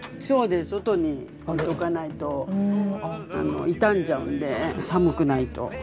そうです外に置いとかないと傷んじゃうんで寒くないと。